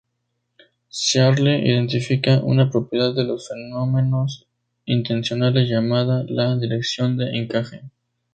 Searle identifica una propiedad de los fenómenos intencionales llamada la dirección de encaje.